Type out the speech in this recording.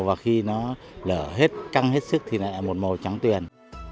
và khi nó lở hết căng hết sức thì lại một màu trắng tuyền